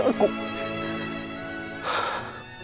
tapi jangan lupa